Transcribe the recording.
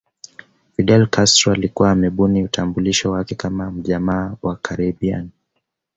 Fidel Castro alikuwa amebuni utambulisho wake kama mjamaa wa Caribbean